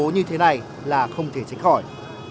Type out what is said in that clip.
như thế này là không thể tránh khỏi